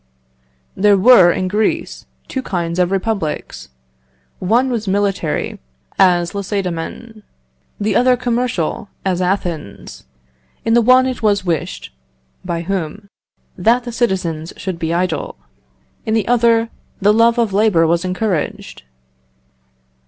"There were, in Greece, two kinds of republics. One was military, as Lacedæmon; the other commercial, as Athens. In the one it was wished (by whom?) that the citizens should be idle: in the other, the love of labour was encouraged.